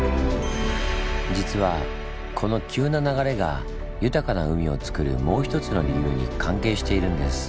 実はこの急な流れが豊かな海をつくるもう一つの理由に関係しているんです。